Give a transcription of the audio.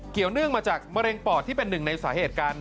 เนื่องมาจากมะเร็งปอดที่เป็นหนึ่งในสาเหตุการณ์